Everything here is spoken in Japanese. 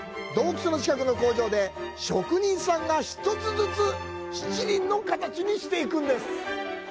洞窟の近くの工場で職人さんが１つずつ七輪の形にしていくんです。